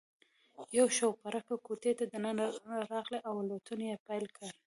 یو شوپرک کوټې ته دننه راغلی او الوتنې یې پیل کړې.